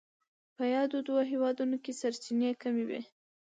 په یادو دوو هېوادونو کې سرچینې کمې وې.